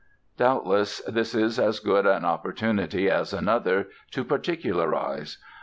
Doubtless this is as good an opportunity as another to particularize.